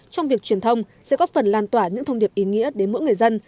trong việc truyền thông sẽ góp phần lan tỏa những thông điệp ý nghĩa đến mỗi người dân